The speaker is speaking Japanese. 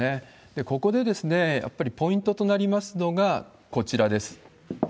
ここで、やっぱりポイントとなりますのが、こちらです。